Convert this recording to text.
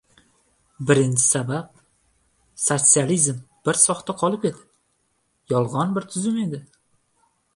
Birinchi sabab — sotsializm bir soxta qolip edi, yolg‘on bir tuzum edi.